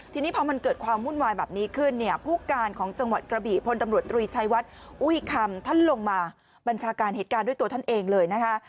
ทีนี้พอมันเกิดความวุ่นวายแบบนี้ขึ้นเนี่ยผู้การของจังหวัดกระบีพลตำรวจตรีชัยวัดอุ้ยคำท่านลงมาบัญชาการเหตุการณ์ด้วยตัวท่านเองเลยนะคะ